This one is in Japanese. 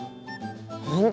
本当？